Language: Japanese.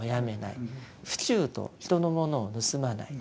不偸盗人のものを盗まない。